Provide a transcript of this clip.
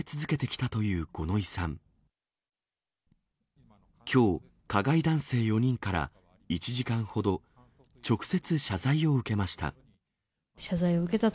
きょう、加害男性４人から１時間ほど、直接謝罪を受けました。